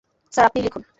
Sir, আপনিই লিখুন।